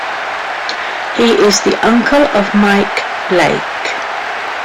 He is the uncle of Mike Blake.